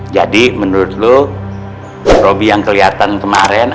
jadi menurut lu robby yang kelihatan kemarin